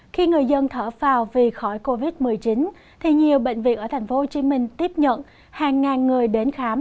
khi người dân thở phào vì khỏi covid một mươi chín thì nhiều bệnh viện ở tp hcm tiếp nhận hàng ngàn người đến khám